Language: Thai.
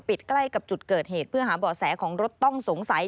ใกล้กับจุดเกิดเหตุเพื่อหาเบาะแสของรถต้องสงสัย